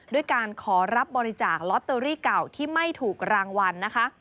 ด้วยการขอรับบริจาคลอตเตอรี่เก่าที่ไม่ถูกรางวัลนะคะ